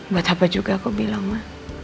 buat apa juga aku bilang mah